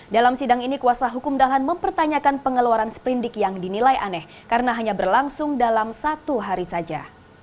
dalam sidang ini kuasa hukum dahlan mempertanyakan pengeluaran sprindik yang dinilai aneh karena hanya berlangsung dalam satu hari saja